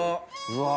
うわ！